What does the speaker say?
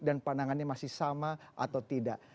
dan pandangannya masih sama atau tidak